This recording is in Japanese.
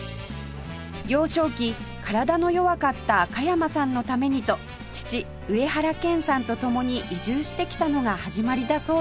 幼少期体の弱かった加山さんのためにと父上原謙さんと共に移住してきたのが始まりだそうです